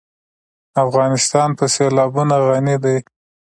افغانستان په سیلابونه غني دی.